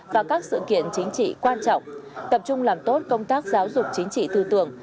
và các sự kiện chính trị quan trọng tập trung làm tốt công tác giáo dục chính trị tư tưởng